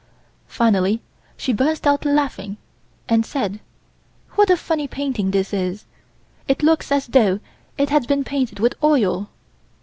Finally she burst out laughing and said: "What a funny painting this is, it looks as though it had been painted with oil."